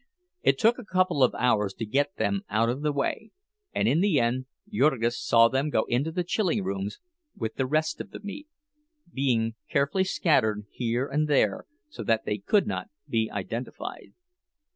It took a couple of hours to get them out of the way, and in the end Jurgis saw them go into the chilling rooms with the rest of the meat, being carefully scattered here and there so that they could not be identified.